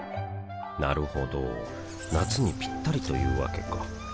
なるほど夏にピッタリというわけか